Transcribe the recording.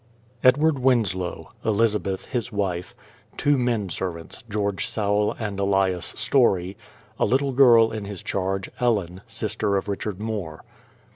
EDWARD WINSLOW; Elizabeth, his wife; two men servants, GEORGE SOWLE and ELIAS STORY; a little girl in his charge, ELLEN, sister of Richard More.